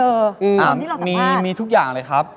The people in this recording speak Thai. อืมมีทุกอย่างเลยครับ